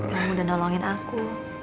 kamu udah nolongin aku